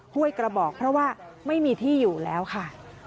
ห้วยกระบอกเพราะว่าไม่มีที่อยู่แล้วค่ะ